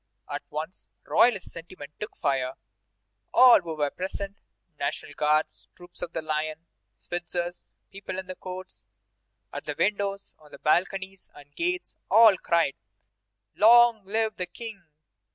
At once royalist sentiment took fire. All who were present National Guards, troops of the line, Switzers, people in the courts, at the windows, on balconies and gates all cried: "Long live the King!